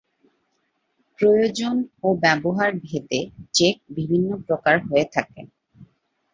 প্রয়োজন ও ব্যবহার ভেদে চেক বিভিন্ন প্রকার হয়ে থাকে।